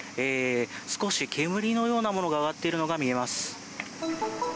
少し煙のようなものが上がっているのが見えます。